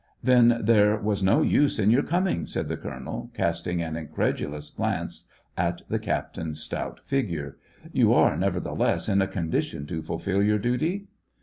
*' Then there was no use in your coming," said the colonel, casting an incredulous glance at the SEVASTOPOL IN AUGUST. jq^ captain's stout figure. *' You are, nevertheless, in a condition to fulfil your duty